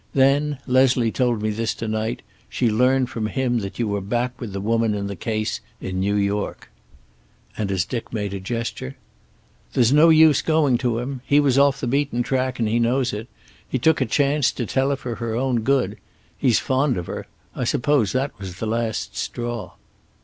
Then, Leslie told me this to night, she learned from him that you were back with the woman in the case, in New York." And, as Dick made a gesture: "There's no use going to him. He was off the beaten track, and he knows it. He took a chance, to tell her for her own good. He's fond of her. I suppose that was the last straw."